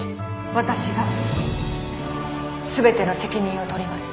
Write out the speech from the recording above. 私が全ての責任を取ります。